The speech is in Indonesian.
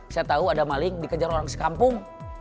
saya tahu ada maling dikejar orang sekampung